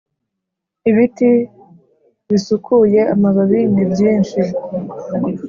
ibiti bisukuye amababi ni byinshi.